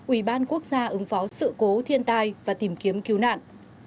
ubnd ứng phó sự cố thiên tai và tìm kiếm cứu nạn